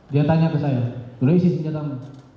dia tanya ke saya sudah isi senjatamu